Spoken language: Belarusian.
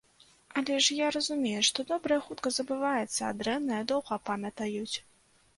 Але ж я разумею, што добрае хутка забываецца, а дрэннае доўга памятаюць!